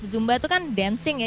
zumba itu kan dancing ya